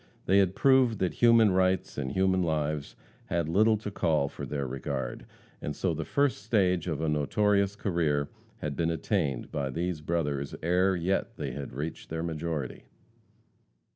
They had proved that human rights and human lives had little to call for their regard, and so the first stage of a notorious career had been attained by these brothers ere yet they had reached their majority.